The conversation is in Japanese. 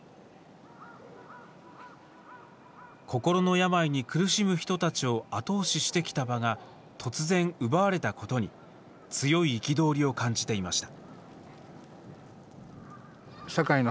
心の病に苦しむ人たちを後押ししてきた場が突然奪われたことに強い憤りを感じていました。